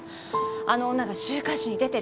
あの女が週刊誌に出てる。